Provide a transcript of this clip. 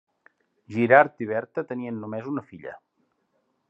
Girard i Berta tenien només una filla.